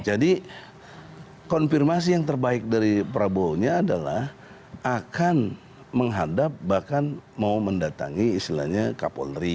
jadi konfirmasi yang terbaik dari prabowo nya adalah akan menghadap bahkan mau mendatangi istilahnya kapolri